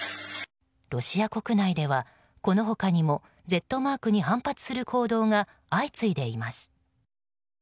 ロシア国内ではこの他にも、Ｚマークに反発する行動が相次いでいます。